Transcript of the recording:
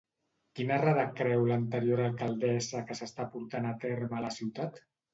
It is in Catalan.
Quina errada creu l'anterior alcaldessa que s'està portant a terme a la ciutat?